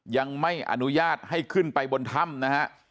ยังไม่อนุญาตให้ขึ้นไปบนถ้ำนะฮะ